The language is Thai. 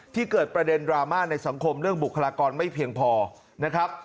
เกิดประเด็นดราม่าในสังคมเรื่องบุคลากรไม่เพียงพอนะครับ